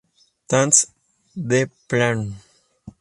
That's the plan!